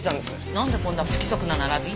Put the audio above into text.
なんでこんな不規則な並び？